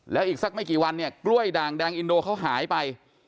แล้วอีกสักไม่กี่วันเนี่ยกล้วยด่างแดงอินโดเขาหายไป